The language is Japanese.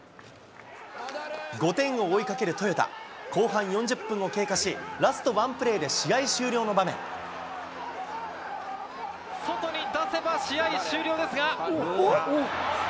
５点を追いかけるトヨタ、後半４０分を経過し、ラストワンプレ外に出せば試合終了ですが。